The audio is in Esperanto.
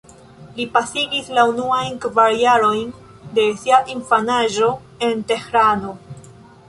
Li pasigis la unuajn kvar jarojn de sia infanaĝo en Tehrano.